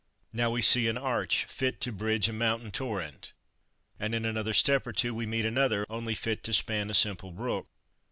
Now we see an arch, fit to bridge a mountain torrent; and in another step or two we meet another, only fit to span a simple brook.